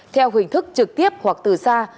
theo hình thức trực tiếp hoặc từ xa